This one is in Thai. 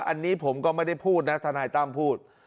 อันนี้ผมก็ไม่ได้พูดนะทนายตั้มพูด